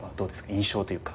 印象というか。